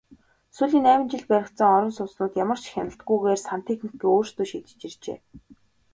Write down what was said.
Сүүлийн найман жилд баригдсан орон сууцнууд ямар ч хяналтгүйгээр сантехникээ өөрсдөө шийдэж иржээ.